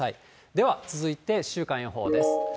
では続いて週間予報です。